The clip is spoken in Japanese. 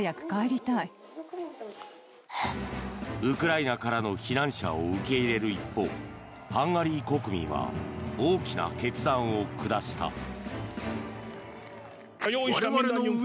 ウクライナからの避難者を受け入れる一方ハンガリー国民は大きな決断を下した。